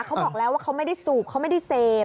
เขาบอกแล้วว่าเขาไม่ได้สูบเขาไม่ได้เสพ